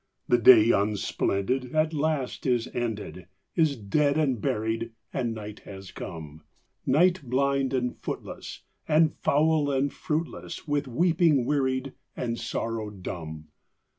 The day, unsplendid, at last is ended, Is dead and buried, and night has come; Night, blind and footless, and foul and fruitless, With weeping wearied, and sorrow dumb.